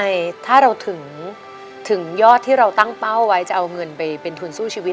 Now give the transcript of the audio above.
ใช่ถ้าเราถึงยอดที่เราตั้งเป้าไว้จะเอาเงินไปเป็นทุนสู้ชีวิต